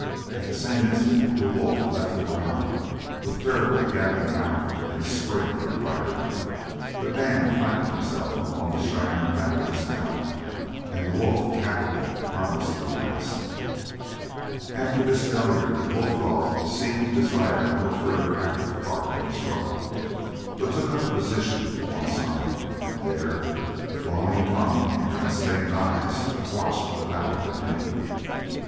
At the same instant the wolf left the ground with terribly gaping mouth in a spring for the rider; but Dan flattened himself along the shining back of his mount and the wolf catapulted harmlessly past. After this failure the wolf dog seemed to desire no further active part in the struggle, but took up a position to one side, and there, with lolling tongue and red stained eyes, watched the battle continue.